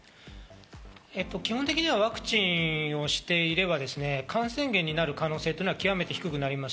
基本的にはワクチンをしていれば感染源になる可能性は極めて低くなります。